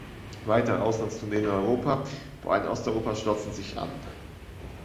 Weitere Auslandstourneen in Europa, vor allem Osteuropa, schlossen sich an.